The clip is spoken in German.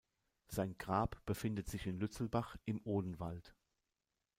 Sein Grab befindet sich in Lützelbach im Odenwald.